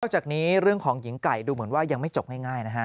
จากนี้เรื่องของหญิงไก่ดูเหมือนว่ายังไม่จบง่ายนะฮะ